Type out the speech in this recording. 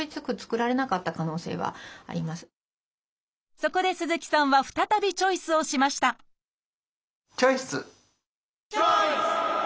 そこで鈴木さんは再びチョイスをしましたチョイス！